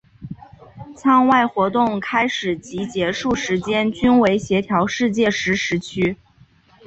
舱外活动开始及结束时间均为协调世界时时区。